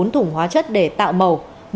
bốn thùng hóa chất để tạo màu